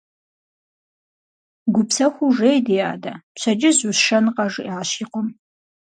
– Гупсэхуу жей, ди адэ, пщэдджыжь усшэнкъэ, – жиӏащ и къуэм.